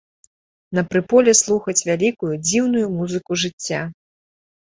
На прыполе слухаць вялікую, дзіўную музыку жыцця.